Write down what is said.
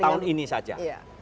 tahun ini saja